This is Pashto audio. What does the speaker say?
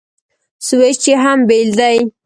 سوچ یې هم بېل دی.